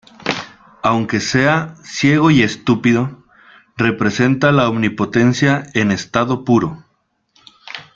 Aunque sea ciego y estúpido, representa la omnipotencia en estado puro.